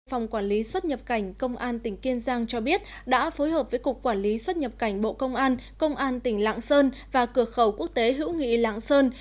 phòng quản lý xuất nhập cảnh công an tỉnh kiên giang cho biết đã phối hợp với cục quản lý xuất nhập cảnh bộ công an công an tỉnh lạng sơn và cửa khẩu quốc tế hữu nghị lạng sơn